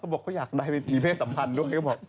เขาบอกเขาอยากได้มีเพศสัมพันธ์ด้วย